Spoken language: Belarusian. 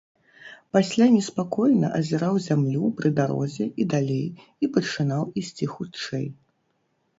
Пасля неспакойна азіраў зямлю пры дарозе і далей і пачынаў ісці хутчэй.